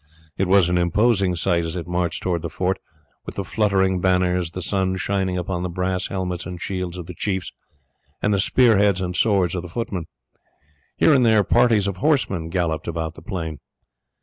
It was an imposing sight as it marched towards the fort, with the fluttering banners, the sun shining upon the brass helmets and shields of the chiefs, and the spear heads and swords of the footmen. Here and there parties of horsemen galloped about the plain.